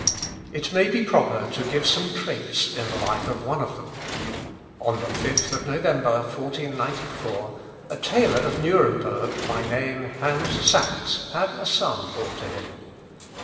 It may be proper to give some traits in the life of one of them. On the 5th November 1494, a tailor of Nuremberg, by name Hans Sachs, had a son born to him.